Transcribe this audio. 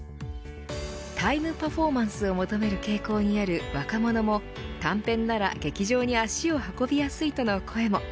タイムパフォーマンスを求める傾向にある若者も短編なら劇場に足を運びやすいとの声も。